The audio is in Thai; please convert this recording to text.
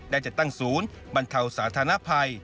ได้จัดตั้งศูนย์บรรเทาสาธารณภัย